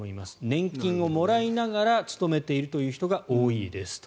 年金をもらいながら勤めている人が多いです。